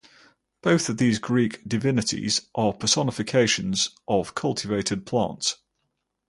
Both of these Greek divinities are personifications of cultivated plants.